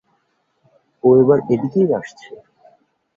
ও এবার এদিকেই আসছে।